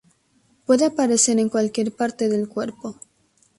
Puede aparecer en cualquier parte del cuerpo.